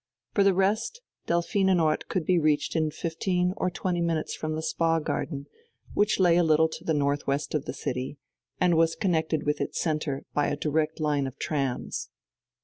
For the rest, Delphinenort could be reached in fifteen or twenty minutes from the spa garden, which lay a little to the north west of the city, and was connected with its centre by a direct line of trams.